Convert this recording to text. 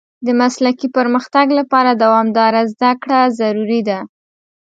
د مسلکي پرمختګ لپاره دوامداره زده کړه ضروري ده.